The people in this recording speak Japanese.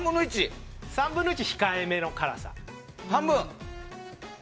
３分の１は控えめの辛さです。